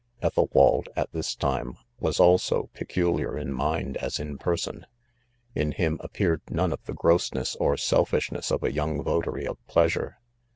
( l2 ) Ethelwald, at this time ? was also peculiar in mind as in .person ; in him appeared none of the grossn ess or selfishness of a young votary of pleasures.